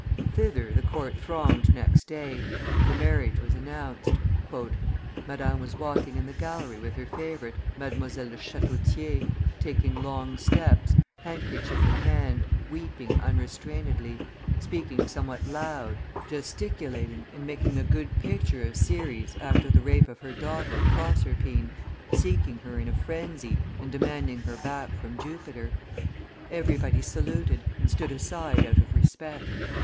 Thither the court thronged next day; the marriage was announced. "Madame was walking in the gallery with her favorite, Mdlle. de Chateau Thiers, taking long steps, handkerchief in hand, weeping unrestrainedly, speaking somewhat loud,, gesticulating and making a good picture of Ceres after the rape of her daughter Proserpine, seeking her in a frenzy, and demanding her back from Jupiter. Everybody saluted, and stood aside out of respect.